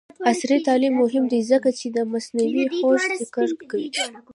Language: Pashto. عصري تعلیم مهم دی ځکه چې د مصنوعي هوش زدکړه کوي.